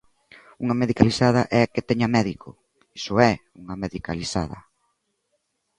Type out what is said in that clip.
Unha medicalizada é que teña médico, iso é unha medicalizada.